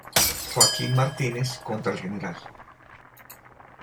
Joaquín Martínez contra el Gral.